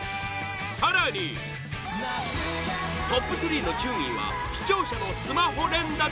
更にトップ３の順位は、視聴者のスマホ連打